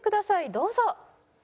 どうぞ。